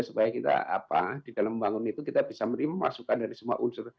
supaya kita di dalam pembangunan itu kita bisa merima masukan dari semua unsur